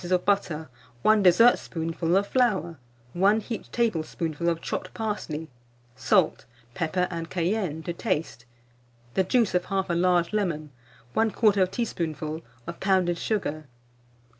of butter, 1 dessertspoonful of flour, 1 heaped tablespoonful of chopped parsley; salt, pepper, and cayenne to taste; the juice of 1/2 large lemon, 1/4 teaspoonful of pounded sugar.